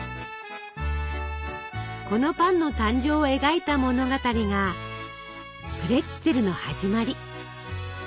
このパンの誕生を描いた物語が「プレッツェルのはじまり」。